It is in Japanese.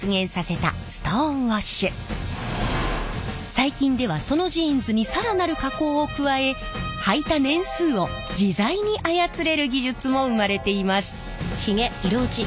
最近ではそのジーンズに更なる加工を加えはいた年数を自在に操れる技術も生まれています。